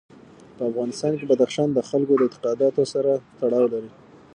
په افغانستان کې بدخشان د خلکو د اعتقاداتو سره تړاو لري.